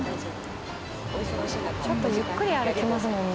ちょっとゆっくり歩きますもんね